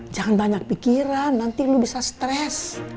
jangan banyak pikiran nanti lu bisa stres